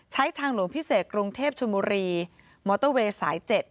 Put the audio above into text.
ทางหลวงพิเศษกรุงเทพชนบุรีมอเตอร์เวย์สาย๗